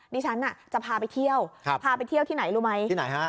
ดิฉันจะพาไปเที่ยวพาไปเที่ยวที่ไหนรู้ไหมที่ไหนฮะ